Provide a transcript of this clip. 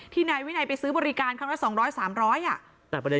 ที่นายวินัยไปซื้อบริการข้างล่ะ๒๐๐๓๐๐อ่ะ